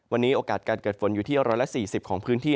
วันนี้โอกาสการเกิดฝนอยู่ที่๑๔๐ของพื้นที่